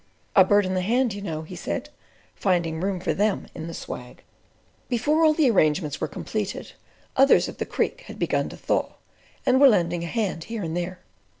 "A bird in the hand you know," he said, finding room for them in the swag. Before all the arrangements were completed, others of the Creek had begun to thaw, and were "lending a hand," here and there.